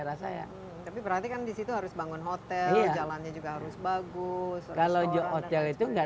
rasa dee perhatikan disitu harus bangun hotel jalannya juga harus bagus kalau hal itu enggak